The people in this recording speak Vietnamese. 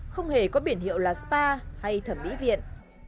không hề có biển hiệu là spa hay thẩm mỹ viện